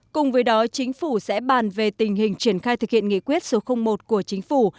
cùng với đó chính phủ sẽ bàn về tình hình triển khai thực hiện nghị quyết số một của chính phủ